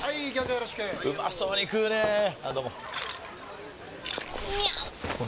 よろしくうまそうに食うねぇあどうもみゃう！！